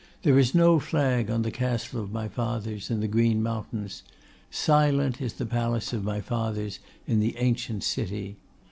There is no flag on the castle of my fathers in the green mountains, silent is the palace of my fathers in the ancient city.